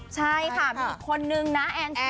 ใช่ค่ะมีอีกคนนึงนะแอนจี